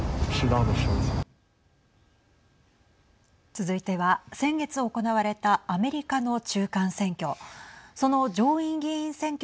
続いては先月行われたアメリカの中間選挙。